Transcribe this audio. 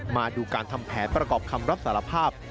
มาดูการทำแผนประกอบคำรับสารภาพ